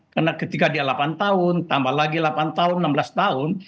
karena ketika dia delapan tahun tambah lagi delapan tahun enam belas tahun